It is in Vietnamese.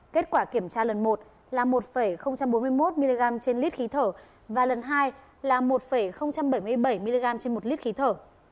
kết quả kiểm tra lần một là một bốn mươi một mg trên lít khí thở và lần hai là một bảy mươi bảy mg trên một lít khí thở